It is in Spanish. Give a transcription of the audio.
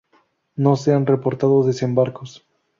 No se han reportado desembarcos.